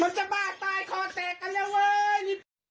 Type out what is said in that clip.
จะบ้าตายคอแตกกันแล้วเว้ย